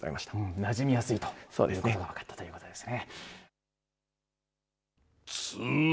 なじみやすいということが分かったということですね。